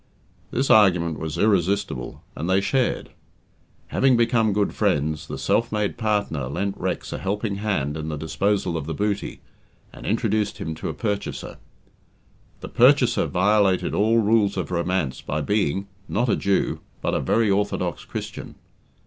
This argument was irresistible, and they shared. Having become good friends, the self made partner lent Rex a helping hand in the disposal of the booty, and introduced him to a purchaser. The purchaser violated all rules of romance by being not a Jew, but a very orthodox Christian.